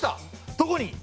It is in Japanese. どこに？